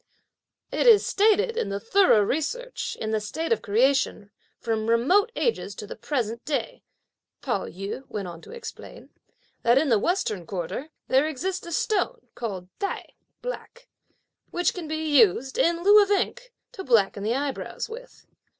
"It is stated in the Thorough Research into the state of Creation from remote ages to the present day," Pao yü went on to explain, "that, in the western quarter, there exists a stone, called Tai, (black,) which can be used, in lieu of ink, to blacken the eyebrows with.